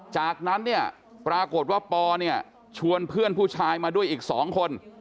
จากนั้นปรากฏว่าปชวนเพื่อนผู้ชายมาด้วยอีก๒คน